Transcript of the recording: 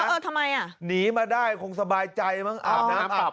เออทำไมอ่ะหนีมาได้คงสบายใจมั้งอาบน้ำอาบ